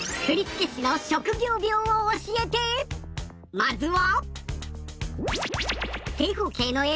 まずは。